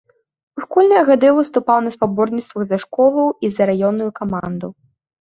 У школьныя гады выступаў на спаборніцтвах за школу і за раённую каманду.